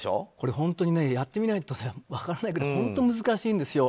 本当にやってみないと分からないくらい本当難しいんですよ。